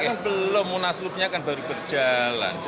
kan belum munaslupnya kan baru berjalan